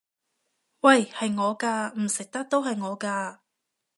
喂！係我㗎！唔食得都係我㗎！